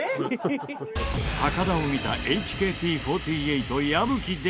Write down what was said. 高田を見たＨＫＴ４８